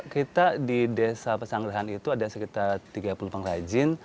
kita di desa pesanggerahan itu ada sekitar tiga puluh pengrajin